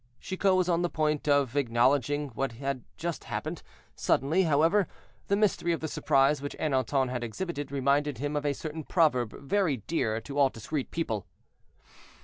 Chicot was on the point of acknowledging what had just happened; suddenly, however, the mystery of the surprise which Ernanton had exhibited, reminded him of a certain proverb very dear to all discreet people.